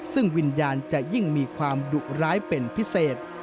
ซึ่งวิญญาณจะยิ่งมีความดุร้ายเป็นพิเศษ